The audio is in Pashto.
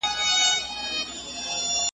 فرهنګي ارزښتونو ته ځانګړې پاملرنه کيږي.